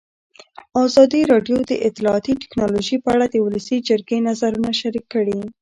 ازادي راډیو د اطلاعاتی تکنالوژي په اړه د ولسي جرګې نظرونه شریک کړي.